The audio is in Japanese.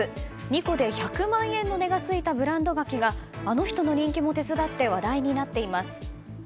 ２個で１００万円の値がついたブランド柿があの人の人気も手伝って話題になっています。